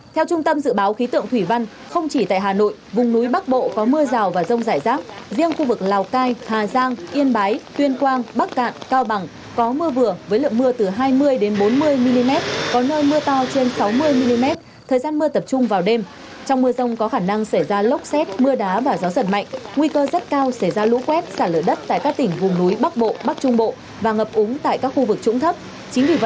theo trung tâm dự báo khí tượng thủy văn không chỉ tại hà nội vùng núi bắc bộ có mưa rào và rông rải rác riêng khu vực lào cai hà giang yên bái tuyên quang bắc cạn cao bằng có mưa vừa với lượng mưa từ hai mươi đến bốn mươi mm có nơi mưa to trên sáu mươi mm thời gian mưa tập trung vào đêm trong mưa rông có khả năng xảy ra lốc xét mưa đá và gió giật mạnh nguy cơ rất cao xảy ra lũ quét xả lửa đất tại các tỉnh vùng núi bắc bộ bắc trung bộ và ngập úng tại các tỉnh vùng núi bắc bộ bắc trung bộ và ngập úng tại các tỉnh vùng núi bắc bộ